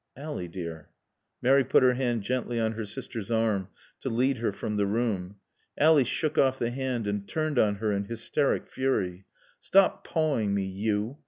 "Ally, dear " Mary put her hand gently on her sister's arm to lead her from the room. Ally shook off the hand and turned on her in hysteric fury. "Stop pawing me you!